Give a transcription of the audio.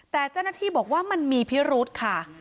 แต่เจ้าหน้าที่บอกว่ามันมีพิรุธค่ะ